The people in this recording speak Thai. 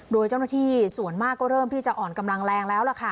โดยเจ้าหน้าที่ส่วนมากก็เริ่มที่จะอ่อนกำลังแรงแล้วล่ะค่ะ